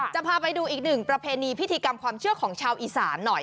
จะพาไปดูอีกหนึ่งประเพณีพิธีกรรมความเชื่อของชาวอีสานหน่อย